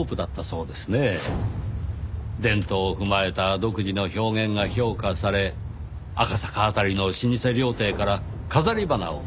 伝統を踏まえた独自の表現が評価され赤坂辺りの老舗料亭から飾り花を任されていた。